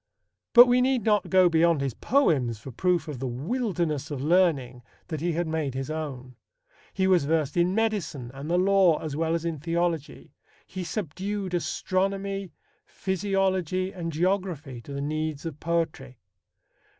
But we need not go beyond his poems for proof of the wilderness of learning that he had made his own. He was versed in medicine and the law as well as in theology. He subdued astronomy, physiology, and geography to the needs of poetry.